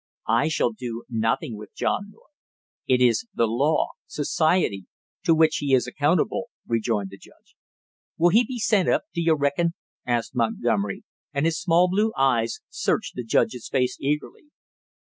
"I shall do nothing with John North; it is the law society, to which he is accountable," rejoined the judge. "Will he be sent up, do you reckon?" asked Montgomery, and his small blue eyes searched the judge's face eagerly.